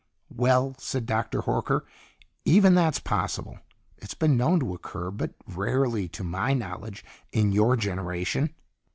"Well," said Doctor Horker, "even that's possible. It's been known to occur, but rarely, to my knowledge, in your generation."